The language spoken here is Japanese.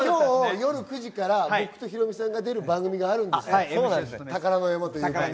夜９時から僕とヒロミさんが出る番組があるんです、『宝の山』。